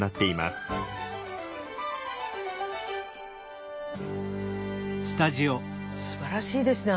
すばらしいですね